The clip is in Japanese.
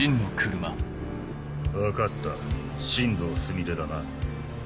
分かった新堂すみれだな。